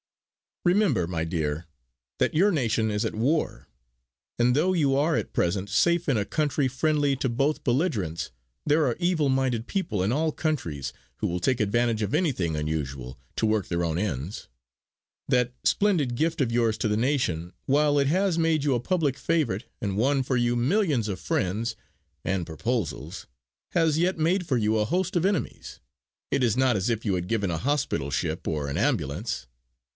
"Remember, my dear, that your nation is at war; and, though you are at present safe in a country friendly to both belligerents, there are evil minded people in all countries who will take advantage of anything unusual, to work their own ends. That splendid gift of yours to the nation, while it has made you a public favourite and won for you millions of friends and proposals has yet made for you a host of enemies. It is not as if you had given a hospital ship or an ambulance.